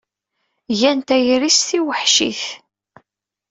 Gan tayri s tiwweḥcit.